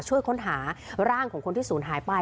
ช่วยค้นหาร่างของคนที่ศูนย์หายไป